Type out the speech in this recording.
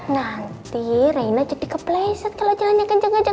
nanti reina jadi kepleset kalau jalannya kenceng kenceng